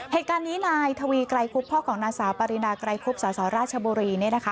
เหตุการณ์นี้นายทวีไกรคุบพ่อของนางสาวปรินาไกรคุบสสราชบุรีเนี่ยนะคะ